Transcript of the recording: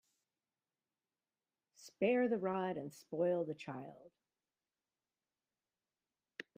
Spare the rod and spoil the child.